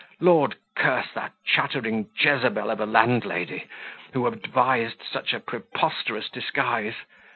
Lord curse that chattering Jezebel of a landlady, who advised such a preposterous disguise!